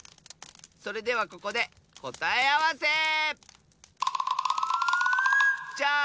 それではここでこたえあわせ！